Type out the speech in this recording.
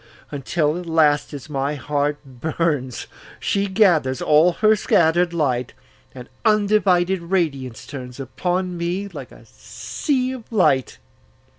Until at last, as my heart burns, She gathers all her scatter'd light, And undivided radiance turnsUpon me like a sea of light.